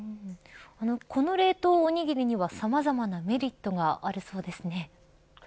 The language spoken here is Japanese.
この冷凍おにぎりにはさまざまなメリットがそうですね。